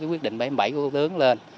quyết định bảy mươi bảy của thủ tướng lên